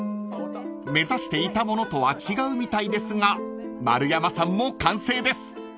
［目指していたものとは違うみたいですが丸山さんも完成です］